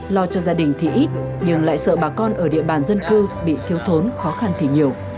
lo cho gia đình thì ít nhưng lại sợ bà con ở địa bàn dân cư bị thiếu thốn khó khăn thì nhiều